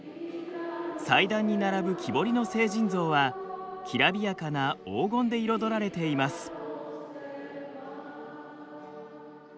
祭壇に並ぶ木彫りの聖人像はきらびやかな黄金で彩られています。